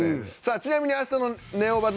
ちなみに、明日の「ネオバズ！！」